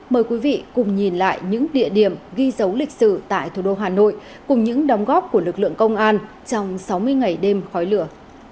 mời quý vị cùng nhìn lại những địa điểm ghi dấu lịch sử tại thủ đô hà nội cùng những đóng góp của lực lượng công an trong sáu mươi ngày đêm khói lửa